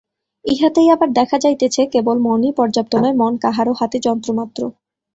ইহাতেই আবার দেখা যাইতেছে, কেবল মনই পর্যাপ্ত নয়, মনও কাহারও হাতে যন্ত্রমাত্র।